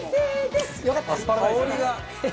香りが！